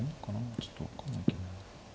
ちょっと分かんないけどな。